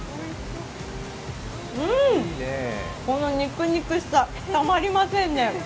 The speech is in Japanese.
この肉肉しさ、たまりませんね。